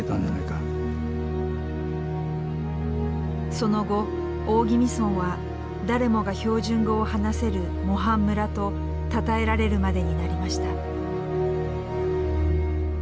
その後大宜味村は誰もが標準語を話せる模範村とたたえられるまでになりました。